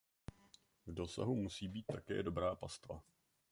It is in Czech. V dosahu musí být také dobrá pastva.